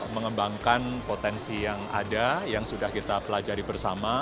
mengembangkan potensi yang ada yang sudah kita pelajari bersama